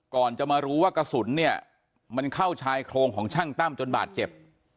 ก่อนจะมารู้ว่ากระสุนเนี่ยมันเข้าชายโครงของช่างตั้มจนบาดเจ็บ